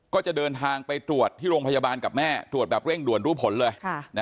ก็จะเดินทางไปตรวจที่โรงพยาบาลกับแม่ตรวจแบบเร่งด่วนรู้ผลเลย